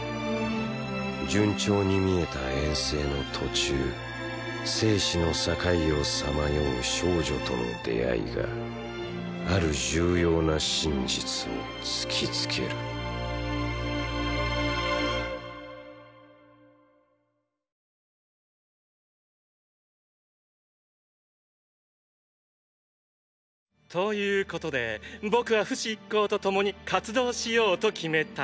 順調に見えた遠征の途中生死の境をさまよう少女との出会いがある重要な真実を突きつけるということで僕はフシ一行と共に活動しようと決めた。